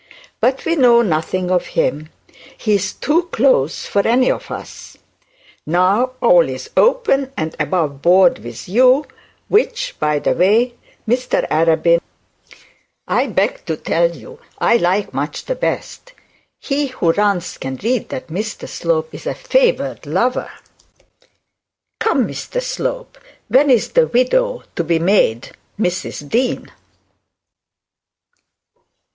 But we know nothing of him. He is too close for any of us. Now all is open and above board with you; which, by the bye, Mr Arabin, I beg to tell you I like much the best. He who runs can read that Mr Slope is a favoured lover. Come, Mr Slope, when is the widow to be made Mrs Dean?'